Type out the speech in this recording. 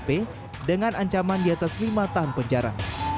pemeriksaan ini diatas lima tahun penjara